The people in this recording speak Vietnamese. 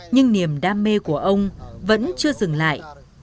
nhưng niềm đam mê của ông vẫn chưa dừng lại